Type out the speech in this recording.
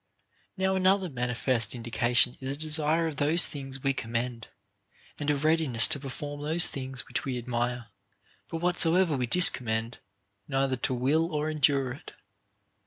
Now another manifest indication is a desire of those things we commend, and a readiness to perform those things which we admire, but whatsoever we discommend, neither to will or endure it.